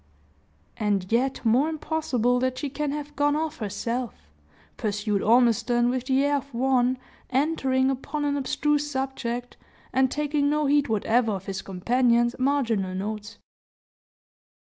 "And yet more impossible that she can have gone off herself," pursued Ormiston with the air of one entering upon an abstruse subject, and taking no heed whatever of his companion's marginal notes.